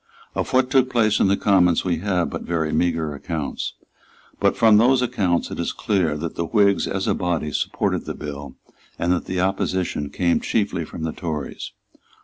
Of what took place in the Commons we have but very meagre accounts; but from those accounts it is clear that the Whigs, as a body, supported the bill, and that the opposition came chiefly from Tories.